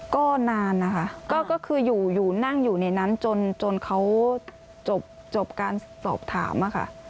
ก็นานนะคะก็คืออยู่นั่งอยู่ในนั้นจนเขาจบการสอบถามอะค่ะ